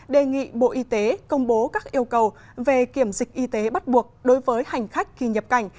đề nghị bộ y tế công bố các yêu cầu về kiểm dịch y tế bắt buộc đối với hành khách khi nhập cảnh